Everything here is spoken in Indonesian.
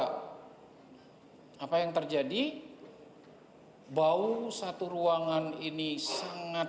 hai apa yang terjadi bau satu ruangan ini sangat